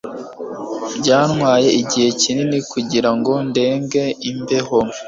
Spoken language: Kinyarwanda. Byantwaye igihe kinini kugirango ndenge imbeho.